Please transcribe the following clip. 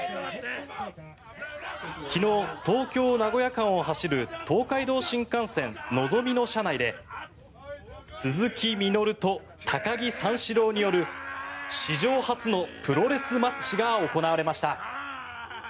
昨日、東京名古屋間を走る東海道新幹線のぞみの車内で鈴木みのると高木三四郎による史上初のプロレスマッチが行われました。